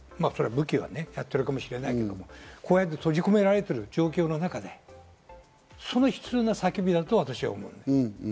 武器はやってるかもしれないですけど、こうやって閉じ込められている状況の中で、その悲痛な叫びだと私は思う。